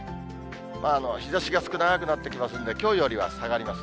日ざしが少なくなってきますんで、きょうよりは下がります。